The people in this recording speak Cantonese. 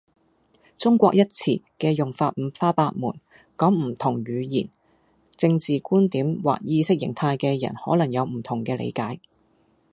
「中國」一詞嘅用法五花八門，講唔同語言，政治觀點或意識形態嘅人可能有唔同嘅理解